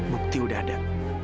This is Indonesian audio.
bukti udah ada